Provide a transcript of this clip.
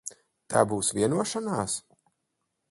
Tā būs vienošanās?